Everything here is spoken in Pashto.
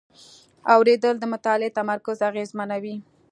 اورېدل د مطالعې تمرکز اغېزمنوي.